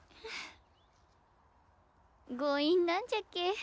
強引なんじゃけえ。